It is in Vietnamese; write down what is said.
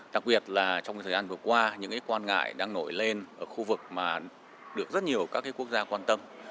đặc biệt là trong thời gian vừa qua những quan ngại đang nổi lên ở khu vực mà được rất nhiều các quốc gia quan tâm